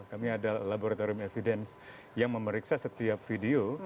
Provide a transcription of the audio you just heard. kami adalah laboratorium evidence yang memeriksa setiap video